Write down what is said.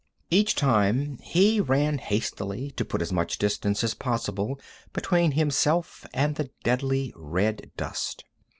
Each time he ran hastily to put as much distance as possible between himself and the deadly red dust.